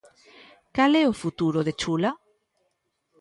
Cal é o futuro de Chula?